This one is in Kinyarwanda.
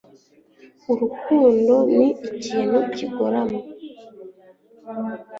Urukundo ni ikintu kigoramye